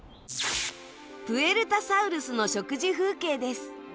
プエルタサウルスの食事風景です。